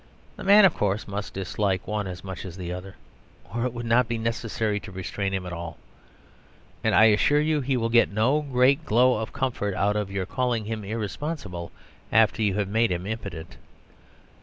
The man, of course, must dislike one as much as the other, or it would not be necessary to restrain him at all. And I assure you he will get no great glow of comfort out of your calling him irresponsible after you have made him impotent.